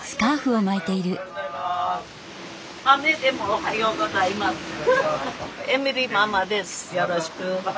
おはようございます。